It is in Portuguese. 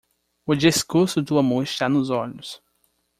O discurso do amor está nos olhos.